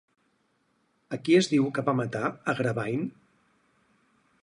A qui es diu que va matar, Agravain?